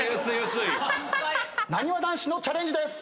なにわ男子のチャレンジです。